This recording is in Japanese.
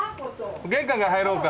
玄関から入ろうか？